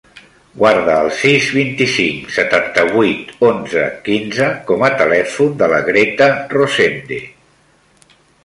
Guarda el sis, vint-i-cinc, setanta-vuit, onze, quinze com a telèfon de la Greta Rosende.